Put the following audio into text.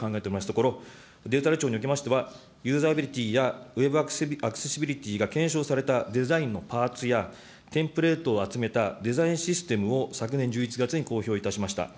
ところ、デジタル庁におきましてはユーザビリティやウェブアクセシビリティが検証されたデザインのパーツや、テンプレートを集めたデザインシステムを昨年１１月に公表いたしました。